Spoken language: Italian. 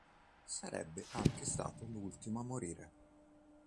Sarebbe anche stato l'ultimo a morire.